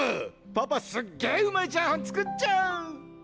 パパすっげぇうまいチャーハン作っちゃう！